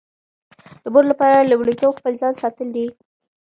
د مور لپاره لومړیتوب خپل ځان ساتل دي.